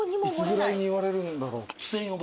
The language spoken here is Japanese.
いつぐらいに言われるんだろう。